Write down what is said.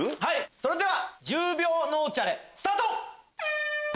それでは１０秒脳チャレスタート！